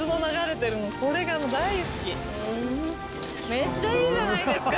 めっちゃいいじゃないですか。